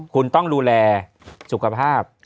คุณต้องลูลวคสุขภาพ